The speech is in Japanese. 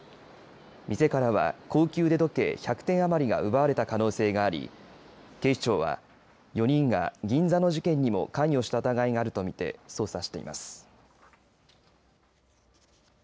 店からは高級腕時計１００点余りが奪われた可能性があり警視庁は４人が銀座の事件にも関与した疑いがあると見て捜査しています。